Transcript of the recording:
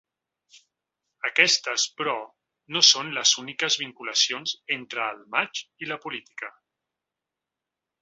Aquestes, però, no són les úniques vinculacions entre el matx i la política.